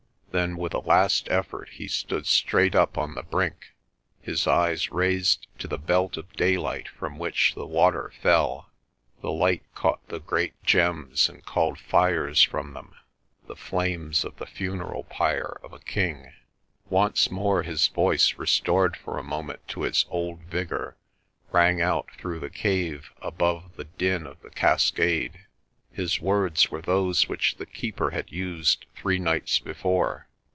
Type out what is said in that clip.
Then with a last effort he stood straight up on the brink, his eyes raised to the belt of daylight from which the water fell. The light caught the great gems and called fires from them, the flames of the funeral pyre of a king. Once more his voice, restored for a moment to its old vigour, rang out through the cave above the din of the cas cade. His words were those which the Keeper had used three nights before.